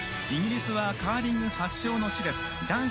イギリスはカーリング発祥の地です。